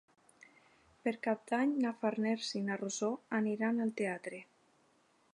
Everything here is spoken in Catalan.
Per Cap d'Any na Farners i na Rosó aniran al teatre.